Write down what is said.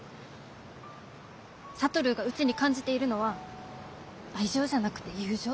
智がうちに感じているのは愛情じゃなくて友情。